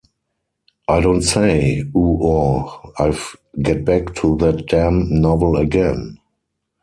I don't say, uh oh, I've get back to that damn novel again.